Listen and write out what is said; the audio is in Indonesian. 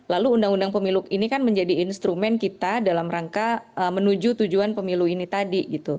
lalu undang undang pemilu ini kan menjadi instrumen kita dalam rangka menuju tujuan pemilu ini tadi gitu